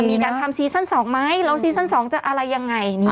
จะมีการทำซีซั่นสองไหมแล้วซีซั่นสองจะอะไรยังไงนี่ค่ะ